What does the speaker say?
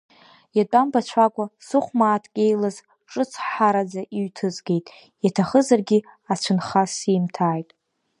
Иатәамбацәакәа, сыхәмааҭк еилаз ҿыцҳҳараӡа иҩҭызгеит, иаҭахызаргьы ацәынха симҭааит.